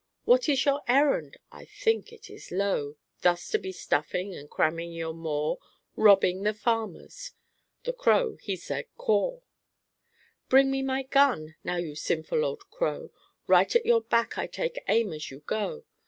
What is your errand? I think it is low Thus to be stuffing and cramming your maw, Robbing the farmers! " The crow he said "Caw." "Bring me my gun. Now you sinful old crow, Right at your back I take aim as you go.